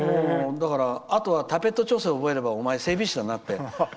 あとはタペット調整覚えれば、お前、整備士だなって。